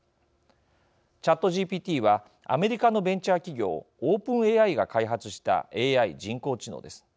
ＣｈａｔＧＰＴはアメリカのベンチャー企業オープンＡＩが開発したＡＩ＝人工知能です。